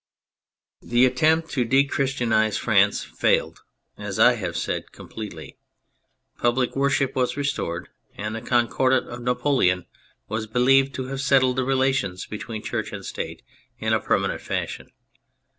The attempt to '' de christianise 'i France THE CATHOLIC CHURCH 253 failed, as I have said, completely. Public worship was restored, and the Concordat of Napoleon was believed to have settled the relations between Church and State in a per manent fashion.